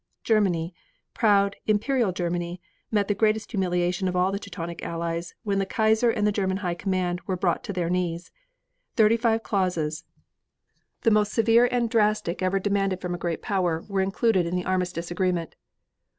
Germany, proud, imperial Germany, met the greatest humiliation of all the Teutonic allies when the Kaiser and the German High Command were brought to their knees. Thirty five clauses, the most severe and drastic ever demanded from a great power, were included in the armistice agreement.